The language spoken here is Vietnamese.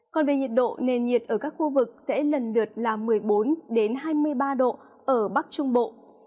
còn về nhiệt độ nền nhiệt ở các khu vực sẽ lần lượt là một mươi bốn hai mươi ba độ ở bắc trung bộ